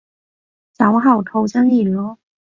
酒後吐真言囉